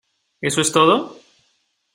¿ eso es todo?